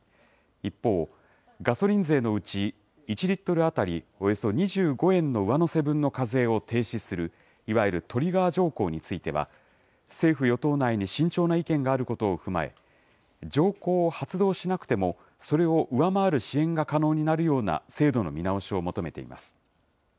一方、ガソリン税のうち、１リットル当たりおよそ２５円の上乗せ分の課税を停止する、いわゆるトリガー条項については、政府・与党内に慎重な意見があることを踏まえ、条項を発動しなくても、それを上回る支援が可能になるような制度の見直しを求めています。